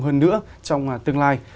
hơn nữa trong tương lai